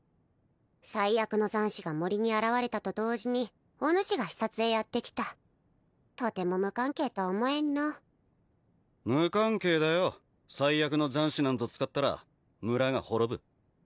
災厄の残滓が森に現れたと同時におぬしが視察へやって来たとても無関係とは思えんのう無関係だよ災厄の残滓なんぞ使ったら村が滅ぶ